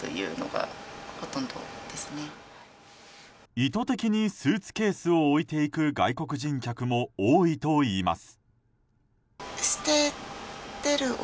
意図的にスーツケースを置いていく外国人客も多いといいます。